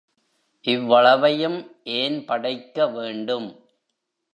இவ்வளவையும் ஏன் படைக்க வேண்டும்?